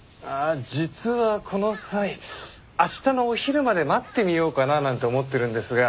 実はこの際明日のお昼まで待ってみようかななんて思ってるんですが。